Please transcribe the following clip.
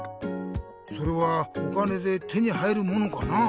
それはお金で手に入るものかな？